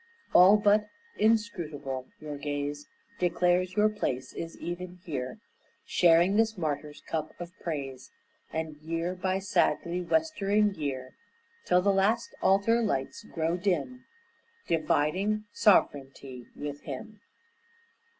All but inscrutable, your gaze Declares your place is even here, Sharing this martyr's cup of praise, And year by sadly westering year, Till the last altar lights grow dim, Dividing sovereignty with him.